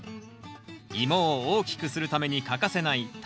イモを大きくするために欠かせない高畝。